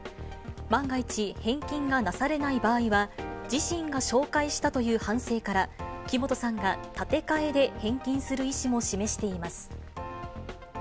万が一、返金がなされない場合は、自身が紹介したという反省から、木本さんが立て替えで返金する意思も示しています。